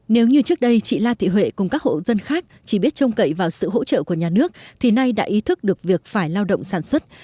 nếu như trước đây chị la thị huệ cùng các hộ dân khác chỉ biết trông cậy vào sự hỗ trợ của nhà nước thì nay đã ý thức được việc phải lao động sản xuất